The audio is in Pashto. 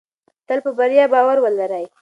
تل په بریا باور ولرئ.